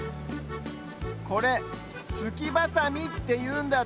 これ「すきバサミ」っていうんだって！